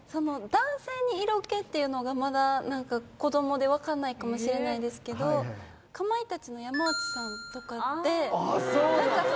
男性に色気っていうのがまだ何か子どもで分かんないかもしれないですけどかまいたちの山内さんとかってあっそうなん？